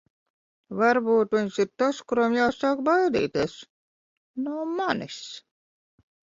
Varbūt viņš ir tas, kuram jāsāk baidīties... no manis.